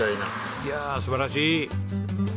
いやあ素晴らしい。